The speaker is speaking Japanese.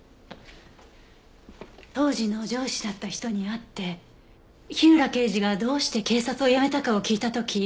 当時の上司だった人に会って火浦刑事がどうして警察を辞めたかを聞いた時。